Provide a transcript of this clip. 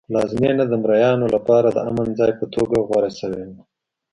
پلازمېنه د مریانو لپاره د امن ځای په توګه غوره شوی و.